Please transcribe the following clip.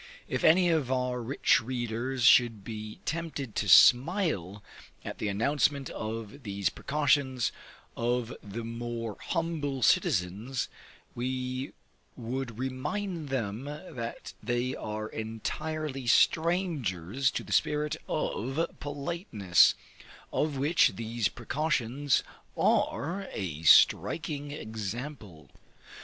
If any of our rich readers should be tempted to smile at the announcement of these precautions of the more humble citizens, we would remind them that they are entirely strangers to the spirit of politeness, of which these precautions are a striking example.